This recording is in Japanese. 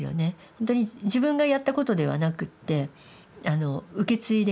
ほんとに自分がやったことではなくって受け継いできていること。